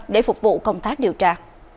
để phục vụ công tác điều tra